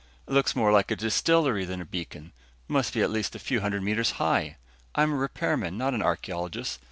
It looks more like a distillery than a beacon must be at least a few hundred meters high. I'm a repairman, not an archeologist.